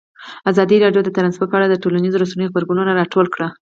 ازادي راډیو د ترانسپورټ په اړه د ټولنیزو رسنیو غبرګونونه راټول کړي.